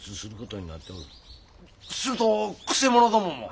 すると曲者どもも？